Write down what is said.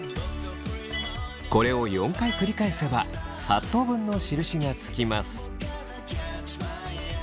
これを４回繰り返せば８等分の印がつきます。